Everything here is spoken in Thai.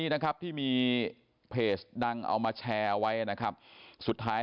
เรียบร้อย